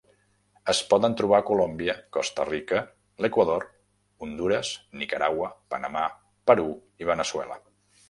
Es poden trobar a Colòmbia, Costa Rica, l'Equador, Hondures, Nicaragua, Panamà, Perú i Veneçuela.